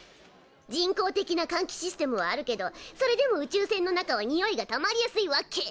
人工的なかんきシステムはあるけどそれでも宇宙船の中はにおいがたまりやすいわけ。